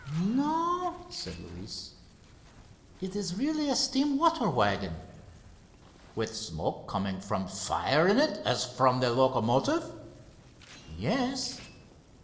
"No," said Luis; "it is really a steam water waggon." "With smoke coming from fire in it, as from the locomotive?" "Yes."